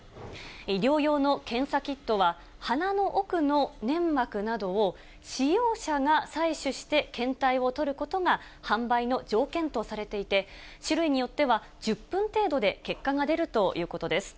医療用の検査キットは鼻の奥の粘膜などを、使用者が採取して検体をとることが販売の条件とされていて、種類によっては１０分程度で結果が出るということです。